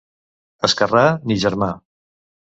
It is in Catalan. Esquerrà, ni germà.